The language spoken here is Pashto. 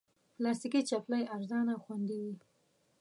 پلاستيکي چپلی ارزانه او خوندې وي.